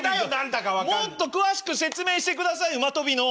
もっと詳しく説明してください馬跳びの。